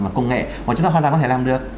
và công nghệ mà chúng ta hoàn toàn có thể làm được